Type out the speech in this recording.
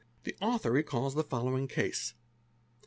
The author recalls the following case.